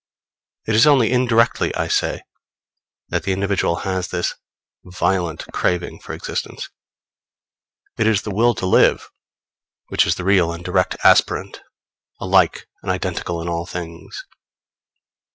It is only indirectly, I say, that the individual has this violent craving for existence. It is the Will to Live which is the real and direct aspirant alike and identical in all things.